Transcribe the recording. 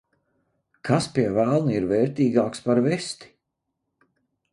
Kas, pie velna, ir vērtīgāks par vesti?